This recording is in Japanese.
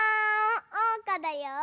おうかだよ！